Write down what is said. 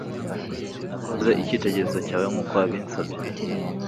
Nakoze icyitegererezo cyawe nkuko wabitsabye